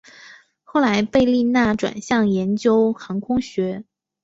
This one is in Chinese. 后来贝利纳转向研究航空学。